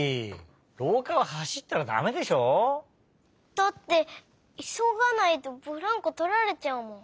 だっていそがないとブランコとられちゃうもん。